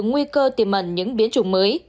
không loại trừ nguy cơ tiềm mẩn những biến chủng mới